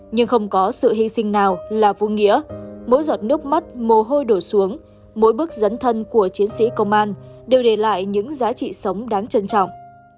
nhưng không có sự hy sinh nào là vô nghĩa mỗi giọt nước mắt mồ hôi đổ xuống mỗi bước dấn thân của chiến sĩ công an đều để lại những giá trị sống đáng trân trọng